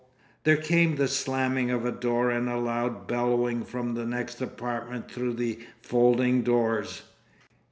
There came the slamming of a door, and a loud bellowing from the next apartment through the folding doors.